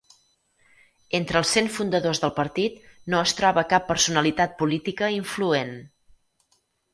Entre els cent fundadors del partit no es troba cap personalitat política influent.